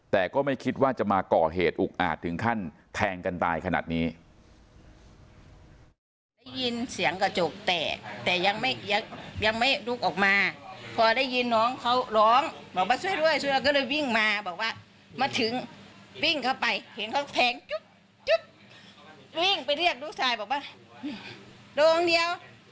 แต่ก็ไม่คิดว่าจะมาก่อเหตุอุกอาจถึงขั้นแทงกันตายขนาดนี้